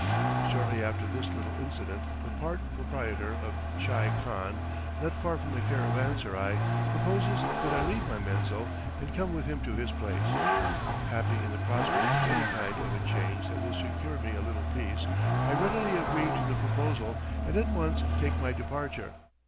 Shortly after this little incident the part proprietor of a tchai khan not far from the caravanserai, proposes that I leave my menzil and come with him to his place. Happy in the prospect of any kind of a change that will secure me a little peace, I readily agree to the proposal and at once take my departure.